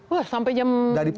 wah sampai jam dua